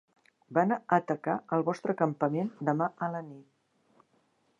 Van a atacar el vostre campament demà a la nit.